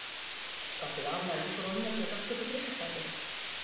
ワテが危ないところを命を助けてくれたんです。